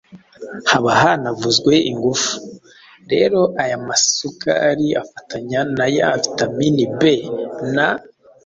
haba hanavuzwe ingufu. Rero aya masukari afatanya na ya vitamini B na